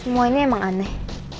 semua ini emang aneh